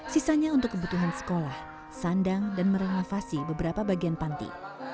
sisanya untuk kebutuhan sekolah sandang dan merenovasi beberapa bagian panti